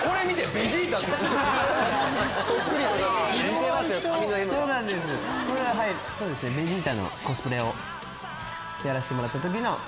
ベジータのコスプレをやらせてもらった時の。